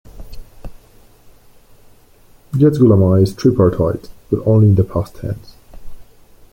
Yazghulami is tripartite, but only in the past tense.